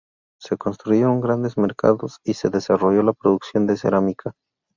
Se construyeron grandes mercados, y se desarrolló la producción de cerámica.